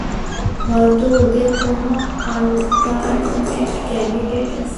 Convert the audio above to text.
হয়তো ওদের কোনো অল্টারনেট ক্যান্ডিডেট আছে।